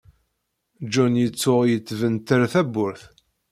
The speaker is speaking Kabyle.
John yettuɣ yettbenter tawurt.